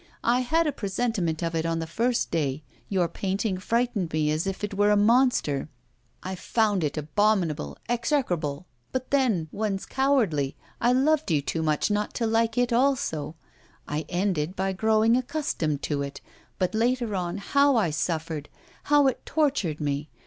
I had a presentiment of it on the first day; your painting frightened me as if it were a monster. I found it abominable, execrable; but then, one's cowardly, I loved you too much not to like it also; I ended by growing accustomed to it! But later on, how I suffered! how it tortured me!